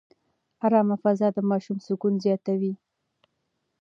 ارامه فضا د ماشوم سکون زیاتوي.